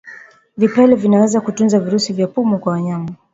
Vipele vinaweza kutunza virusi vya pumu kwa wanyama